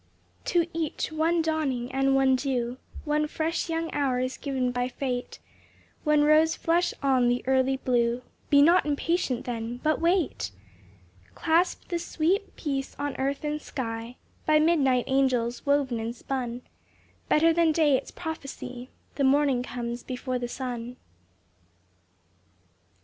To each, one dawning and one dew, One fresh young hour is given by fate, One rose flush on the early blue. Be not impatient then, but wait! Clasp the sweet peace on earth and sky, By midnight angels woven and spun; Better than day its prophecy, The morning comes before the sun.